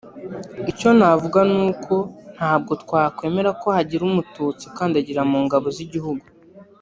icyo navuga ni uko ‘ntabwo twakwemera ko hagira umututsi ukandagira mu ngabo z’igihugu